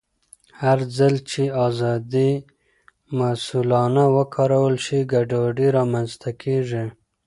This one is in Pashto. هرځل چې ازادي مسؤلانه وکارول شي، ګډوډي نه رامنځته کېږي.